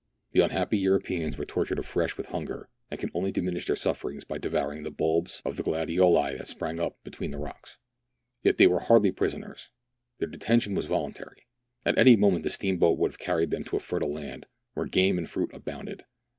The unhappy Europeans were tortured afresh with hunger, and could only diminish their sufferings by devouring the bulbs of the gladioli that sprang up between the rocks. Yet they were hardly prisoners ; their detention was voluntary. At any moment the steamboat would have carried them to a fertile land, where game and fruit abounded.